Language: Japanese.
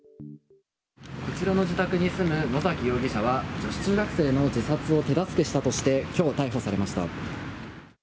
こちらの自宅に住む野崎容疑者は女子中学生の自殺を手助けしたとして今日逮捕されました。